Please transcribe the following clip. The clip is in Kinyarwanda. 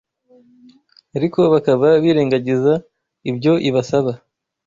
ariko bakaba birengagiza ibyo ibasaba: